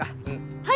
はい。